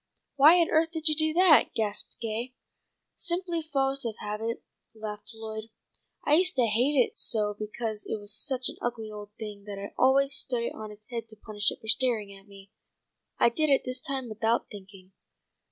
"Why on earth did you do that?" gasped Gay. "Simply fo'ce of habit," laughed Lloyd. "I used to hate it so because it was such an ugly old thing that I always stood it on its head to punish it for staring at me. I did it this time without thinking."